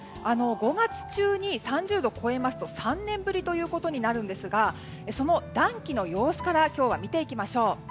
５月中に３０度を超えますと３年ぶりになるんですがその暖気の様子から今日は見ていきましょう。